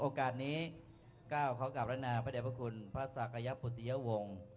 โอกาสนี้ก้าวเขากราบรณาพระเด็จพระคุณพระศักยปุติยวงศ์